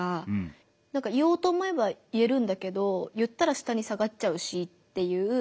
言おうと思えば言えるんだけど言ったら下に下がっちゃうしっていう。